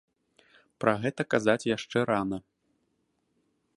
Пра гэта казаць яшчэ рана.